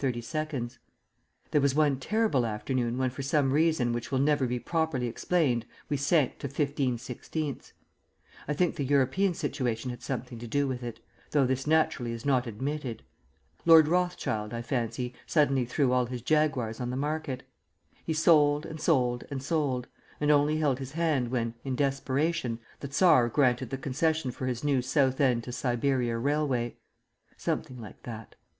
There was one terrible afternoon when for some reason which will never be properly explained we sank to 15/16. I think the European situation had something to do with it, though this naturally is not admitted. Lord Rothschild, I fancy, suddenly threw all his Jaguars on the market; he sold and sold and sold, and only held his hand when, in desperation, the Tsar granted the concession for his new Southend to Siberia railway. Something like that.